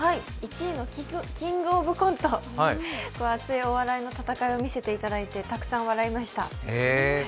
１位の「キングオブコント」熱いお笑いの戦いを見せていただいてたくさん笑いました。